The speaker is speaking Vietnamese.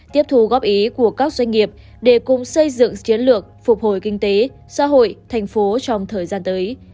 tiếp thu góp ý của các doanh nghiệp để cùng xây dựng chiến lược phục hồi kinh tế xã hội thành phố trong thời gian tới